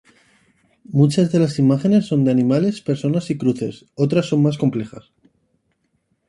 Muchas de las imágenes son de animales, personas y cruces; otras son más complejas.